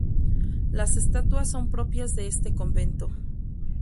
Las estatuas son propias de este convento.